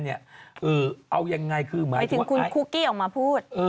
เอายังไงคือหมายถึงคุณคุกกี้ออกมาพูด